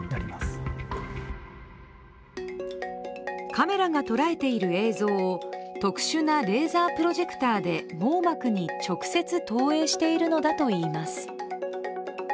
カメラがとらえている映像を特殊なレーザープロジェクターで網膜に直接投影しているのだといいます。